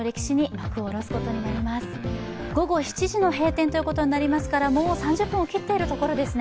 午後７時の閉店ということになりますからもう３０分を切っているところですね。